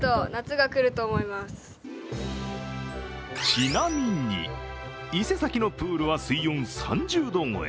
ちなみに伊勢崎のプールは水温３０度超え。